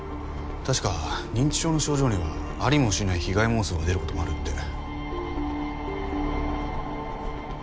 確か認知症の症状にはありもしない被害妄想がでることもあるって。